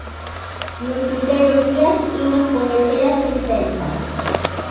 Nos vindeiros días imos coñecer a sentenza.